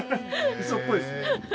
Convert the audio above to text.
味噌っぽいですね。